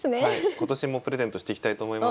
今年もプレゼントしていきたいと思います。